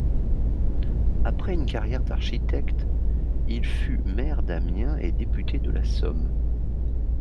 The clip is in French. Après une carrière d'architecte, Il fut maire d'Amiens et député de la Somme.